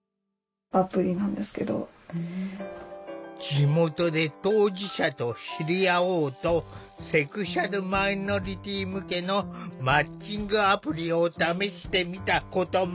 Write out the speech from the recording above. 地元で当事者と知り合おうとセクシュアルマイノリティー向けのマッチングアプリを試してみたことも。